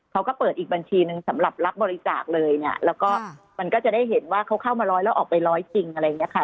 เขาก็เปิดอีกบัญชีหนึ่งสำหรับรับบริจาคเลยเนี่ยแล้วก็มันก็จะได้เห็นว่าเขาเข้ามาร้อยแล้วออกไปร้อยจริงอะไรอย่างเงี้ยค่ะ